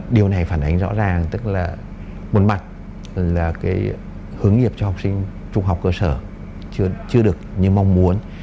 điều này phản ánh rõ ràng tức là một mặt là cái hướng nghiệp cho học sinh trung học cơ sở chưa được như mong muốn